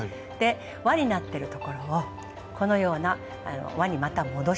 わになってるところをこのようなわにまた戻します。